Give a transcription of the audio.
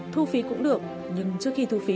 thu phí cũng được nhưng trước khi thu phí